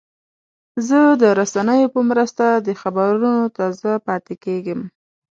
زه د رسنیو په مرسته د خبرونو تازه پاتې کېږم.